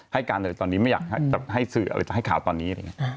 ให้การอะไรตอนนี้ไม่อยากให้สื่ออะไรให้ข่าวตอนนี้